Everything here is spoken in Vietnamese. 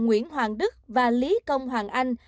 nguyễn hoàng đức và lý công hoàng anh